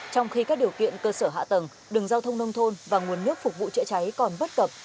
trong khi các điều kiện cơ sở hạ tầng đường giao thông nông thôn và nguồn nước phục vụ chữa cháy còn bất cập